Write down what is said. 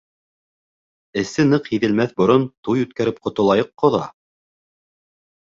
Эсе ныҡ һиҙелмәҫ борон туй үткәреп ҡотолайыҡ, ҡоҙа!